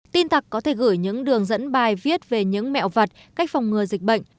tin tặc có thể gửi những đường dẫn bài viết về những mẹo vật cách phòng ngừa dịch bệnh